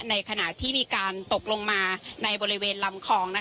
ในขณะที่มีการตกลงมาในบริเวณลำคลอง